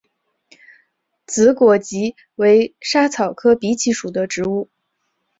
紫果蔺为莎草科荸荠属的植物。